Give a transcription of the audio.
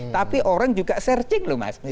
tapi orang juga searching loh mas